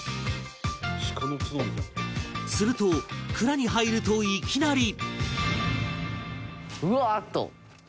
すると蔵に入るといきなり